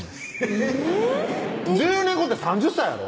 えぇっ１０年後って３０歳やろ？